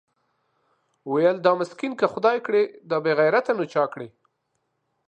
ويل دا مسکين که خداى کړې دا بېغيرته نو چا کړې؟